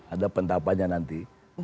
ada pentapannya nanti